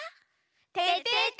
「ててて！